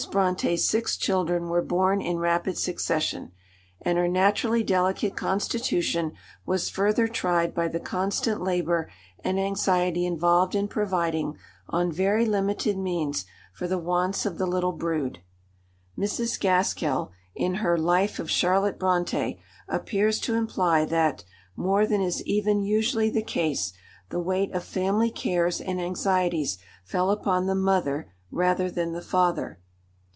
Brontë's six children were born in rapid succession, and her naturally delicate constitution was further tried by the constant labour and anxiety involved in providing, on very limited means, for the wants of the little brood. Mrs. Gaskell, in her Life of Charlotte Brontë, appears to imply that, more than is even usually the case, the weight of family cares and anxieties fell upon the mother rather than the father.